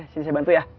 sini saya bantu ya